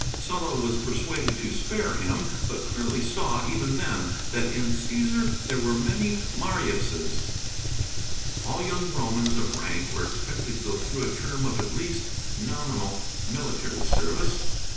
Sulla was persuaded to spare him, but clearly saw, even then, that "in Cæsar there were many Mariuses." All young Romans of rank were expected to go through a term of at least nominal military service.